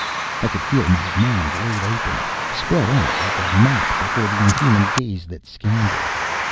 I could feel my mind laid open, spread out like a map before the inhuman gaze that scanned it.